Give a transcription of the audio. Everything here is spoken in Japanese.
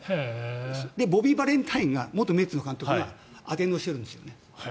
ボビー・バレンタインが元メッツの監督がアテンドしてるんですよね。